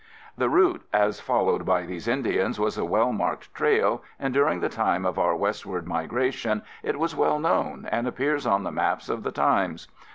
The route as followed by these Indians was a well marked trail, and during the time of our westward migrations, it was well known and appears on the maps of the times.